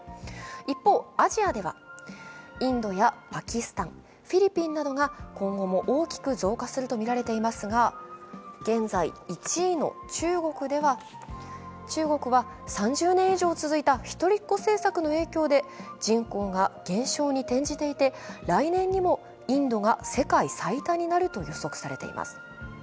一方、アジアではインドやパキスタン、フィリピンなどが今後も大きく増加するとみられていますが、現在、１位の中国では中国は３０年以上続いた一人っ子政策の影響で人口が減少に転じていて、来年にもインドが世界最多になると予測されています。